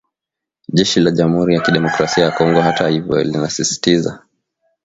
Jeshi la jamhuri ya kidemokrasia ya Kongo hata hivyo linasisitiza